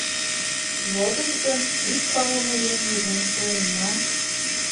Йодыт гын, ик палыме еҥ возен пуэн, ман.